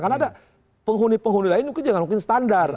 karena ada penghuni penghuni lain mungkin jangan mungkin standar